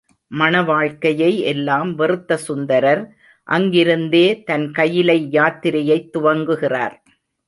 மண வாழ்க்கையை எல்லாம் வெறுத்த சுந்தரர், அங்கிருந்தே தன் கயிலை யாத்திரையைத் துவங்குகிறார்.